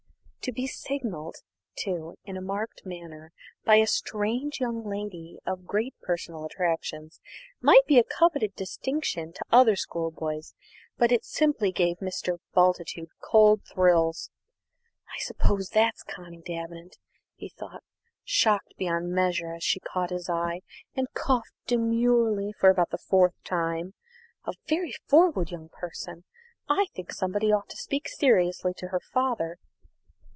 To be signalled to in a marked manner by a strange young lady of great personal attractions might be a coveted distinction to other schoolboys, but it simply gave Mr. Bultitude cold thrills. "I suppose that's 'Connie Davenant,'" he thought, shocked beyond measure as she caught his eye and coughed demurely for about the fourth time. "A very forward young person! I think somebody ought to speak seriously to her father."